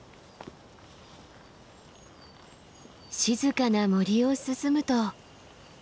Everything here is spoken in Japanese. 静かな森を進むと。